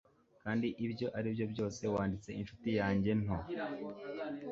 Kandi ibyo aribyo byose wanditse inshuti yanjye nto